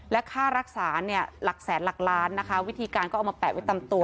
และค่ารักษาเนี่ยหลักแสนหลักล้านนะคะวิธีการก็เอามาแปะไว้ตามตัว